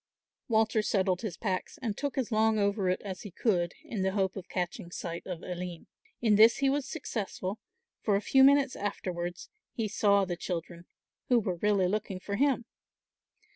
Walter settled his packs and took as long over it as he could in the hope of catching sight of Aline. In this he was successful, for a few minutes afterwards he saw the children, who were really looking for him.